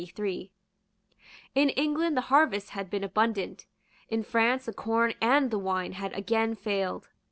In England the harvest had been abundant. In France the corn and the wine had again failed.